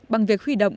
bằng việc huy động